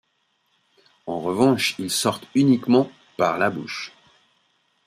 En revanche, ils sortent uniquement par la bouche.